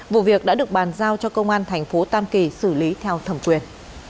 vụ việc đã được bàn giao cho công an thành phố tam kỳ xử lý theo thẩm quyền